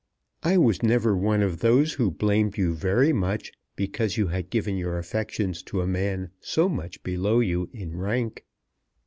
I was never one of those who blamed you very much because you had given your affections to a man so much below you in rank.